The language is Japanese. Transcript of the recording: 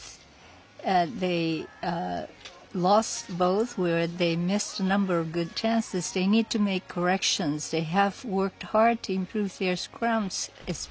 そうですね。